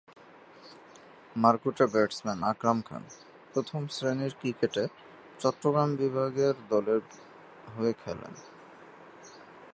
মারকুটে batsman Akram Khan প্রথম-শ্রেণীর ক্রিকেটে চট্টগ্রাম বিভাগ দলের হয়ে খেলেন।